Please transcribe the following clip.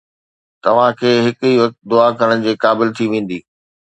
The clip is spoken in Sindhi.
توهان کي هڪ ئي وقت دعا ڪرڻ جي قابل ٿي ويندي